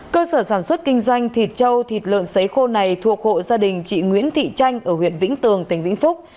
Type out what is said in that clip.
cơ sở sản xuất kinh doanh thịt trâu thịt lợn xấy khô này thuộc hộ gia đình chị nguyễn thị tranh ở huyện vĩnh tường tỉnh vĩnh phúc